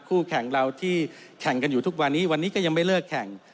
คู่แข่งเราที่แข่งกันอยู่ทุกวันนี้วันนี้ก็ยังไม่เลิกแข่ง